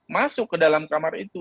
masuk ke dalam kamar itu